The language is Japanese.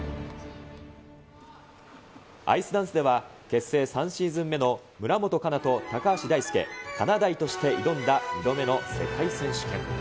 アイスダンスでは、結成３シーズン目の村元哉中と高橋大輔、かなだいとして挑んだ２度目の世界選手権。